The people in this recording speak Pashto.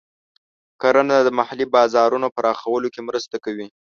کرنه د محلي بازارونو پراخولو کې مرسته کوي.